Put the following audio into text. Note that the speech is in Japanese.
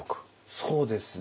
そうですね。